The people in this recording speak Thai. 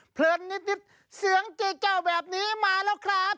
เผลอนิดเสืองเจ๋วแบบนี้มาแล้วครับ